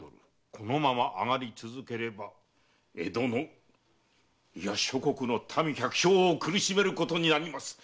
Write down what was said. このまま上がり続ければ江戸のいや諸国の民百姓を苦しめることになります。